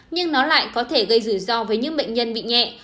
nhưng nó lại có thể gây rủi ro với những bệnh nhân bị nhẹ